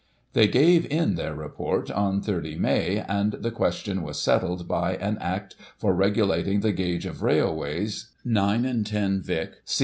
They gave in their Report on 30 May, and the question was settled by " An Act for regulating the Gauge of Railways" (9 and 10 Vic, c.